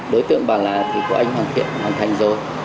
đối tượng bảo là thì của anh hoàn thiện hoàn thành rồi